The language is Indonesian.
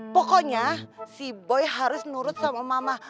pokoknya si boy harus nurut sama mama